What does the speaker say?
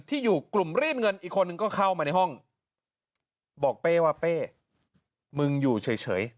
ที่อยู่กลุ่มรีดเงินอีกคนนึงก็เข้ามาในห้องบอกเป้ว่าเป้มึงอยู่เฉย